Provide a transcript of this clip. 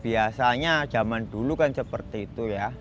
biasanya zaman dulu kan seperti itu ya